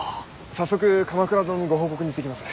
早速鎌倉殿にご報告に行ってきます。